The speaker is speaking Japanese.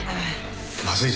はい。